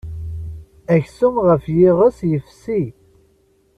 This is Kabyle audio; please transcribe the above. Aksum ɣef yiɣes yefsi.